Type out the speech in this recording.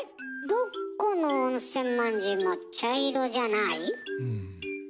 どこの温泉まんじゅうも茶色じゃない？